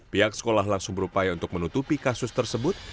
pihak sekolah langsung berupaya untuk menutupi kasus tersebut